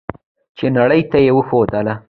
چې نړۍ ته یې وښودله.